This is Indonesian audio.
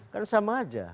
kan sama aja